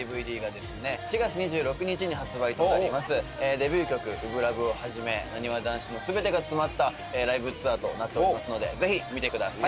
デビュー曲『初心ＬＯＶＥ』を始めなにわ男子の全てが詰まったライブツアーとなっておりますのでぜひ見てください。